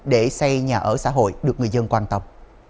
để xây nhà ở xã hội được người dân quan tâm